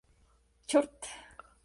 Turf está de regreso.